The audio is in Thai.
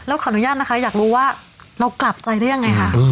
ขออนุญาตนะคะอยากรู้ว่าเรากลับใจได้ยังไงค่ะ